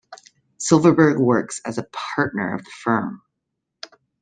Silverberg works as a partner of the firm.